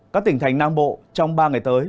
các tỉnh thành nam bộ trong ba ngày tới